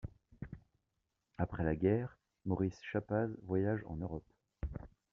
Après la guerre, Maurice Chappaz voyage en Europe.